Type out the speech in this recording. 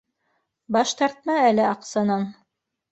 — Баш тартма әле аҡсанан